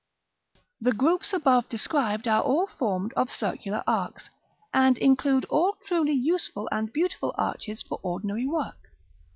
The groups above described are all formed of circular arcs, and include all truly useful and beautiful arches for ordinary work.